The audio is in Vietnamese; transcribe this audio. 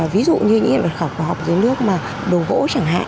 ví dụ như những hiện vật khảo cổ học dưới nước mà đồ gỗ chẳng hạn